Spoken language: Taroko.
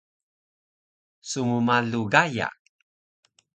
Smmalu Gaya